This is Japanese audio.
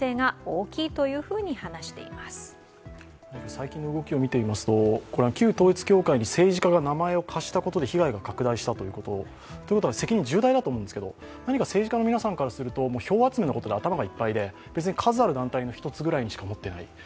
最近の動きを見ていますと旧統一教会に政治家が名前を貸したことで被害が拡大したということ。ということは責任が重大だと思うんですけど、政治家からすると票集めのことで頭がいっぱいで数ある団体の一つぐらいにしか思っていない。